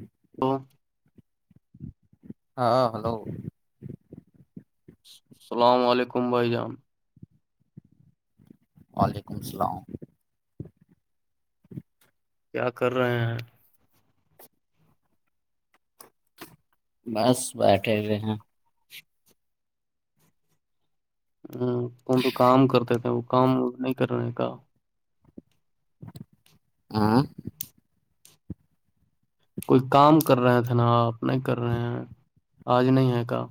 ہی hello ہاں hello السلام علیکم بھائی جان وعلیکم السلام کیا کر رہے ہیں بس بیٹھے ہوئے ہیں ہ تم تو کام کرتے تھے وہ کام نہیں کرنے کا ہاں کوئی کام کر رہے تھے نا آپ نہیں کر رہے ہیں آج نہیں ہے کا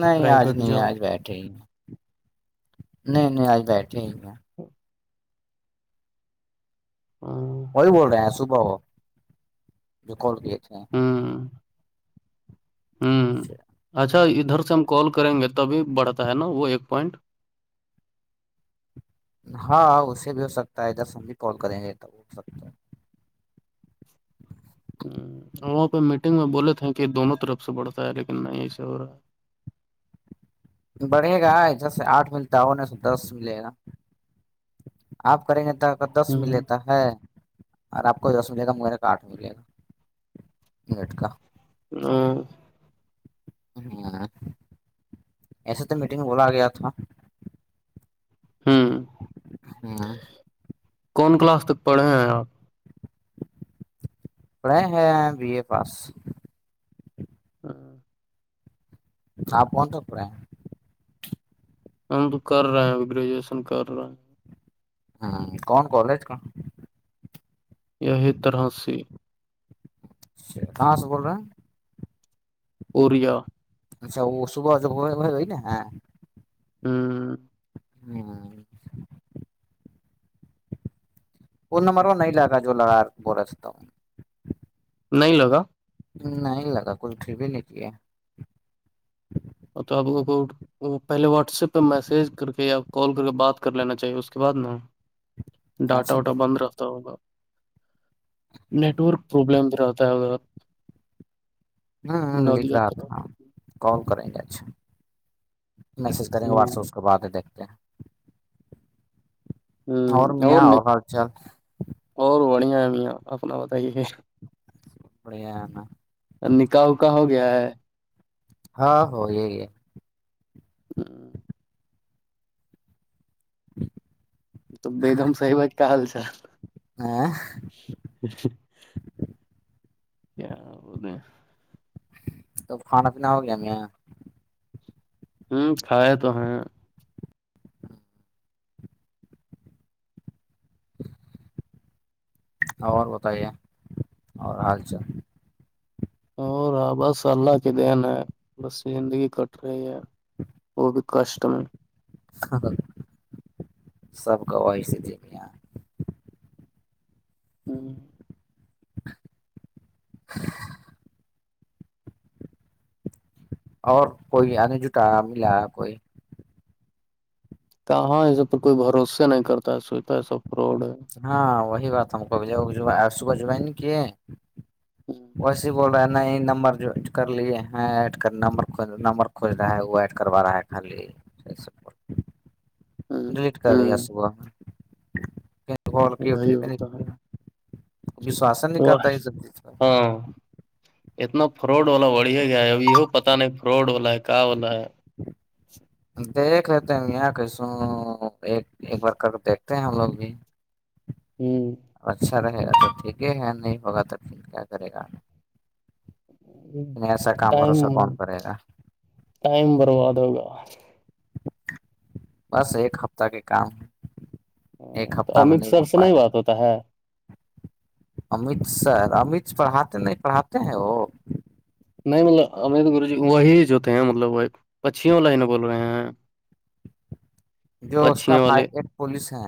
نہیں آج پرائیویٹ نہیں جاب آج بیٹھے ہی ہیں نہیں نہیں آج بیٹھے ہی ہیں ہاں ہاں وہی بول رہے ہیں صبح ہو جو کال کیے تھے ہاں ہوں اچھا ادھر سے ہم کال کریں گے تبھی بڑھتا ہے نا وہ ایک پوائنٹ ہاں اسے بھی ہو سکتا ہے جس ہم بھی کال کریں گے سکتا ہے ہ وہاں پہ میٹنگ میں بولے تھے کہ یہ دونوں طرف سے بڑھتا ہے لیکن نہیں ایے ہو رہا ہے بڑھے گا جیسے آٹھ ملتا ہونے سے دس ملے گا آپ کریں گے د کا دس م لیتا ہے اور آپ کو دس ملے گا میر کا آٹھ ملے گا مٹ کا ہ [inaudible] ایسے تو میٹنگ میں بولا آ گیا تھا ہاں ہاں کون کلاس تک پڑھے ہیں آپ پڑے ہیں بی اے پاس ہاں ہاںپن توک رہے ہیں ہم تو کر رہے ہیں ا گریجویشن کر رہے ہیں ہوں کون کالج کون یہی طرح سے کہاں سے بول رہے ہیں اوریا اچھا وہ صب گی نا ہاں ہوں وہ نمبر وہ نہیں لگا جو لگا بول ستاوں نہیں لگا نہیں لگا کلٹری بھی نہیں دیے اور تو آپ کوٹوں وہ پہلے واٹسپ پہ میسج کر کے یا کال کر کے بات کر لینا چاہیے اس کے بعد ن ڈاٹا اچھا ووٹا دیکھ بند رہکھتا ہوگا نیٹ ورک پرابلم رہتا ہے ا ہ لکھ رہا طرف تھا کال کریں گے اچھا میسج کریں گے ہوں واٹسپ سے کو باتیں دیکتے ہیں ہوں اور میاں ن حال چال اور بڑیا ایمیا اپنا پت ہی ہے ابڑ نکح اکا ہو گیا ہے ہاں ہو یہ ہے ہاں [inaudible] تو ب دم سحی بات کیا حال چ ہاں کیا وہد توب کھانا پینا ہو گیا ہم یہاں ہوں کھائے تو ہیں اور بتائیے اور حال چال اور آ بس اللہ کے دن ہے بس زندگی کٹ رہی ہے وہ بھی کشٹم سب کا ویس د یہ ہوں اور کوئی آنے جٹا ملا کوئی کہاں اس پر کوئی بھروسے نہیں کرتا ہے سوچتا ہے ای سا فراڈ ہے ہاں وہی بات ہم کوپ صبح جوائن کیے و بول رہا ہے ن نمبر جو کر لیے ہیں ایڈ کر نمبر نمبرھوول رہا ہے وہ ایڈ کروا رہا ہے خالی جیا ڈیلیٹ کر رہیا ہوں صبح بول کے اٹھی وہی ہوئے ہوتا ہے وشواسن نہیں واہ کرتا اس سی ہاں اتنا فراڈ والا بڑھیا گیا ہے اب یہ پتا نہیں فراڈ والا ہے کہ والا ہے دیکھ لیتے ہیں میاں کیسوں ایک ایک بار کر کے دیکھتے ہیں ہم لوگ بھی ہوں اب اچھا رہے گا تو ٹھیک ہے نہیں ہوگا تو پھر کیا کرے گا یں ایسا کام ٹائم بھروسہ کون کرے گا ٹائم برباد ہوگا بس ایک ہفتہ کے کام ہ ہ تو امت سر سے نہیں بات ہوتا ہے امت سر امت پڑھاتے نہیں پڑھاتے ہیں وہ نہیں مطلب امت گرو جی وہی جو ہوتے ہیں مطلب وہ پچیوں لائن بول رہے ہیں جو اس کا پچیوں بھائی والے ایک پوولس ہے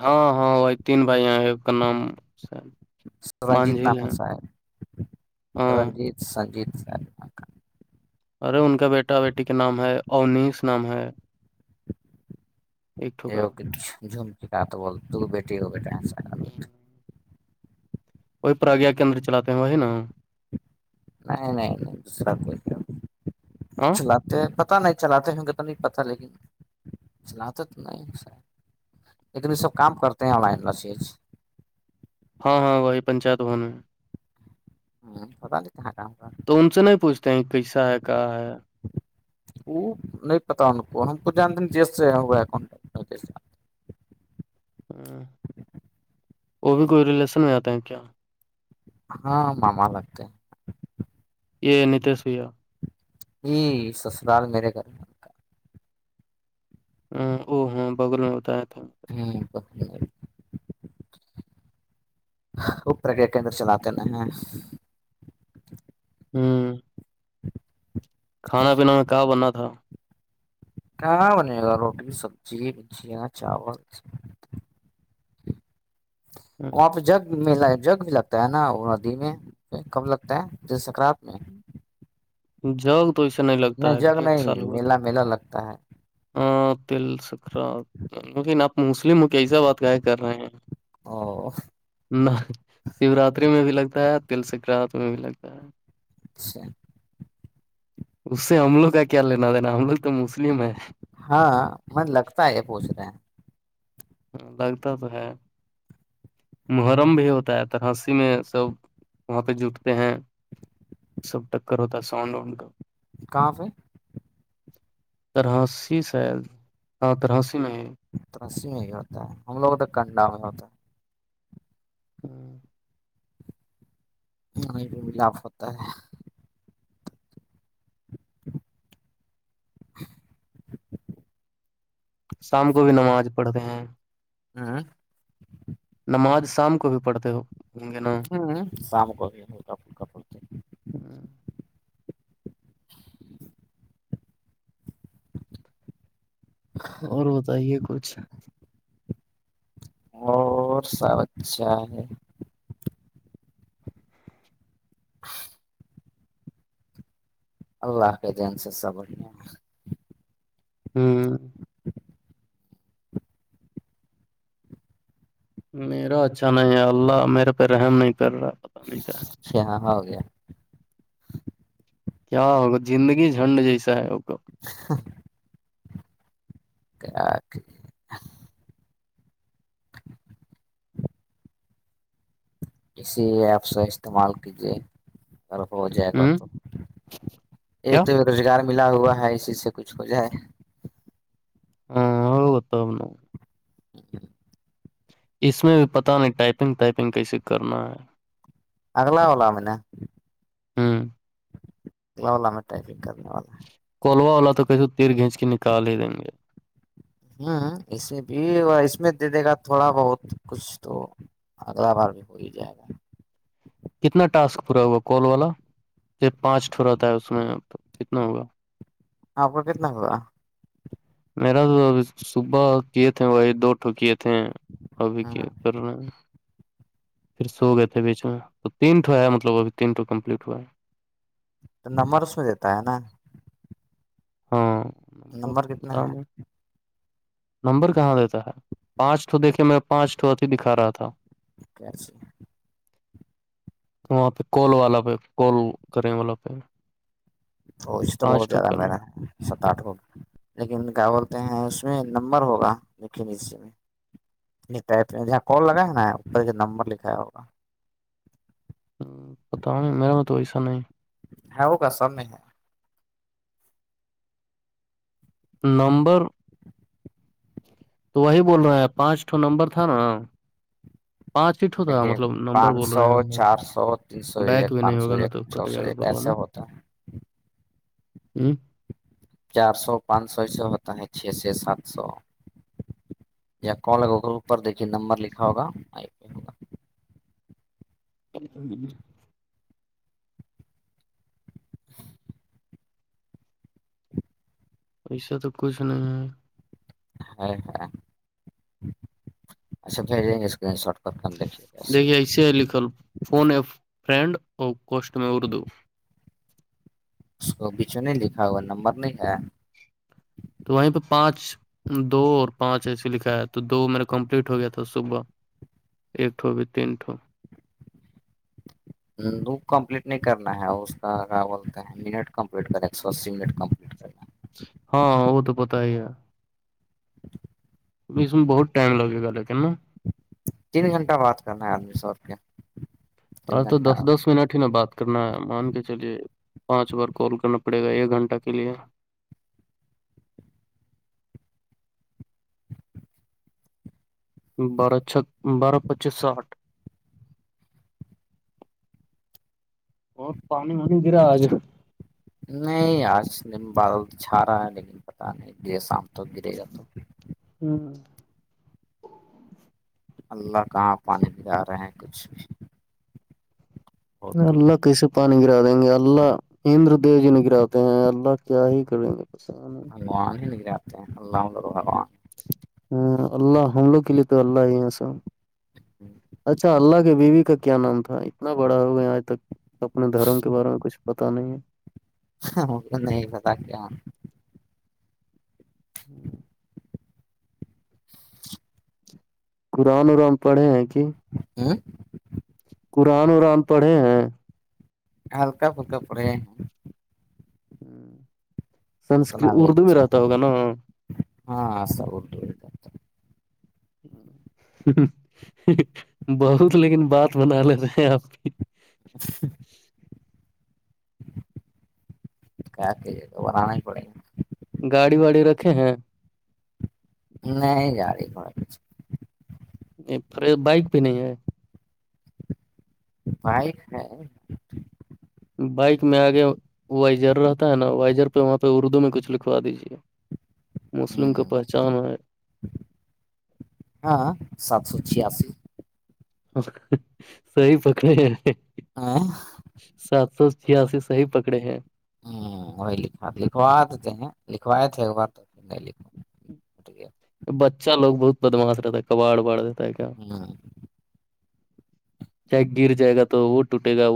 ہاں ہاں وہی تین بھائییا ہے کا نام س رنجت نام ہے ساب ہاں رنجت سنجیتب ارے ان کا بیٹا بیٹی کے نام ہے اونیس نام ہے ایک ٹھوکا جمککا تو بول بیٹی ہو بیٹا ہاں کوئی پرگا کیندر چلاتے ہیں وہی نا نہیں نہیں نہیںرا ہاں کیا تو پتہ نہیں چلاتے ہ کہ تو نہیں پتا لیکن چلاتے تو نہیں لیکن یہ سب کام کرتے ہیں آن لائن ہاں ہاں وہی پنچایت بھون میں ہوں فتانل چ کا کا تو ان سے نہیں پوچھتے ہیں کیسا ہے کہاں ہے وہ نہیں پتا ان کو ہم کو جانتے جیس سے ہوا ہے کٹٹ جیس ہ وہ بھی کوئی ریلیشن میں آتے ہیں کیا ہاں مما لگتے ہے یہ نیتشوئییا جی سال میرے گھر ہ او ہاں بغل میں بتایا تھا ہوں ب اپر کے کےندر چل آتے ہیںا ہ ہوں کھانا پینا میں کہاں بننا تھا ہاں بنے گا روٹی سبزی ب جیا چاول وہاں پہ جگ میلہ جگ بھی لگتا ہے نا وہ ندی میں کب لگتا ہے ج سنکرانت میں جاگ تو ایسے نہیں لگتا ہے جگ ایک سال نہیں ہوا تھا میلہ میلہ لگتا ہے ہاں تل سکرا لیکن آپ مسلم ہو کی ایسا بات کا کر رہے ہیں او نہ شیووراتری میں بھی لگتا ہے تل سنکرانت میں بھی لگتا ہے اچھا اس سے ہمملوگ کا کیا لینا تھاینا ہم لوگ تو مسلم ہے ہاں مت لگتا ہے پوچھ رہے ہیں ہ لگتا تو ہے محرم بھی ہوتا ہے ترسی میں سب وہاں پہ جٹتے ہیں سب ٹکر ہوتا ہے ساؤنڈ وانڈ کا کہاں سے طرحاسی سی ہاں تراسی میں ہے ترسی میں ہی ہوتا ہے ہم لوگوں تو کنڈا میں ہوتا ہے ہوں نہیںیں بھی ملاپ ہوتا ہے [unintelligible] شام کو بھی نماز پڑھتے ہیں ہوں نماز شام کو بھی پڑھتے ہو ہوں گے نا ہوں شام کو کا ہاں اور بتائیے کچھ اور سب اچھا ہے [unintelligible] اللہ ح کے دین سے سب ہاں میرا اچھا نہیں ہے اللہ میرے پہ رحم نہیں کر رہا پتا نہیں کیا اچ ہاں ہو گے کیا ہوگا زندگی جھنڈ جیسا ہے ہوگا ہاں [unintelligible] اسی ایپ سے استعمال کیجیے اگر ہو جائے گا ہ تو کیا ایک تو ب روزگار ملا ہوا ہے اسی سے کچھ ہو جائے ہاں ہو گت نا اک اس میں بھی پتاہ نہیں ٹائپنگ ٹائپنگ کیسے کرنا ہے اگلا ہولہ من ہاں لام ٹائنگ کرنے والاوں کولوا والا تو کیس تیر گھینچ کے نکال ہی دیں گے ہوں اس میں بھی اس میں دے دے گا تھوڑا بہت کچھ تو اگلا بار بھی ہو ہی جائے گا کتنا ٹاسک پورا ہوا کال والا صرف پانچ ٹھوراتا ہے اس میں کتنا ہوگا آاںپ کتنا ہوگوا میرا توب صبح کیے تھے وہی دو ٹھوکیے تھے ابھی کی ہ کرنا ہے پھر سو گئے تھے بیچ میں تو تینٹو ہے مطلبھی تینٹ کمپلیٹ ہوا ہے تو نمبر اس میں دیتا ہے نا ہاں نمبر کتنا پتا ہے نہیں نمبر کہاں دیتا ہے پانچ تو دیکھے میرے پانچ تو اتیھی دکھا رہا تھا کیاچے [inaudible] وہاں پہ کال والا پہ کال کریں والا پہ تو اس تو بہت پانچ ٹو زیادہ کرنا میرا ہے ست آٹھ ہوگیا لیکن کیا بولتے ہیں اس میں نمبر ہوگا لکھین ای سی میں نہیں ٹائپ جہ کال لگا ہے نا ا نمبر لکھایا ہوگا پتا نہیں میرا تو تو ایس نہیں ہی ہے وہ کا سب میں ہے نمبر تو وہی بول رہے ہیں پانچٹو نمبر تھا نا پانچ سیٹوں تھا دیکھیے مطلب نمبر پانچ بول سو رہے ہیں چار سو تین سو ایک بیک بھی نہیں پانچ سو ہوگا نا ایک تو چھ کٹ سو جائےا ایک بولو ایسے نا ہوتا ہے [unintelligible] چار سو پانچ سو اس سے ہوتا ہے چھ سے سات سو یا کال ہے گوگل اوپر دیکھیے نمبر لکھا ہوگا پہ ہوگا [inaudible] [inaudible] ایسا تو کچھ نہیں ہے ہ ہ اا ش دیکھیے اسے ہے لکھل فون ہے فرینڈ اور کوسٹ میں اردو اس کو پچھوں نہیں لکھا ہوا نمبر نہیں ہے تو وہیں پہ پانچ دو اور پانچ ایسے لکھا ہے تو دو میرا کمپلیٹ ہو گیا تھا صبح ایکٹو بھی تین ٹو د کمپلیٹ نہیں کرنا ہے اور اس کا کیا بولتا ہے منٹ کمپلیٹ کر ایک سو اسی منٹ کمپلیٹ کر ہاں ہاں وہ تو پتہ ہی ہے اس میں بہت ٹم لگے گا ل کہا تین گھنٹہ بات کرنا ہے آدمی سور کے ار تو دس دس منٹ ہی نا بات اتنا مان کے چلیے پانچ بار کال کرنا پڑے گا ایک گھنٹہ کے لیے بارہ چھ بارہ پچیس ساٹھ اور پانی وانی دیرا آج نہیں آج دن بادل چھا رہا ہے لیکن پتا نہیں گ شام تو گرے گئے تو ہوں اللہ کہاں پانی پ آ رہے ہیں کچھ بھی کم اللہ کیسے پتا نہیں گرا دیں گے اللہ اندر دیو جی نہیں گراتے ہیں اللہ کیا ہی کریں گے پس ہاتتے ہلہ م رارا ہ اللہ ہم لوگ کے لیے تو اللہ ہی سب اچھا اللہ کے بیوی کا کیا نام تھا اتنا بڑا ہو گیا آج تک اپنے دھرم کے بارے میں کچھ پتا نہیں ہے ہاں س ت ہ ہوں [inaudible] قرآن اورر ہم پڑھے ہیں کہ ہوں قرآن اران پڑھے ہیں ہلکا پلکا پڑے ہے ہیں ہ سنسکرت اردو میں رہتا ہوگا نا ہاںسا ب تو بہت لیکن بات بنا لیتے ہیں آپ کی اچ کیا کہ بان ہی پڑے گاڑی واڑی رکھے ہیں نہیں جا رہی کو یہ بائک بھی نہیں ہے بائ ہے بائک میں آگے وائزر رہتا ہے نا وائزر پہ وہاں پہ اردو میں کچھ لکھوا دیجے مسلم کا پہچان ہے ہاں سات سو چھیاسی صی پکڑے ہاں سات سو چھیاسی صی پکڑے ہیں ہ وہی لکھا لکھوا دیتے ہیں لکھوائے تھے ایک بار تو پھر نہیں لکھو بچہ لوگ بہت بدمش رہتا ہے کباڑباڑ رہتا ہے کیا ہ گر جائے گا تو وہ ٹوٹے گا وہ